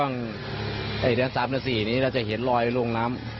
ในแต่ครั้งเดือน๓๔นี้เราจะเห็นลอยลงน้ำ